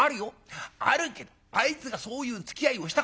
あるけどあいつがそういうつきあいをしたかってえの。